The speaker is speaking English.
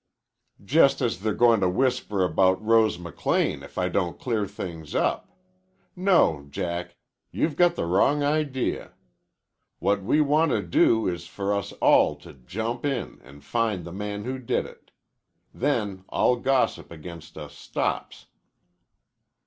"Just as they're goin' to whisper about Rose McLean if I don't clear things up. No, Jack. You've got the wrong idea. What we want to do is for us all to jump in an' find the man who did it. Then all gossip against us stops."